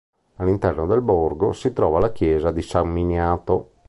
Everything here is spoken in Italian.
All'interno del borgo si trova la chiesa di San Miniato.